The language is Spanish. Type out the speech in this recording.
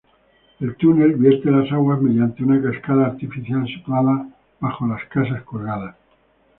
El túnel vierte las aguas mediante una cascada artificial situada bajo las Casas Colgadas.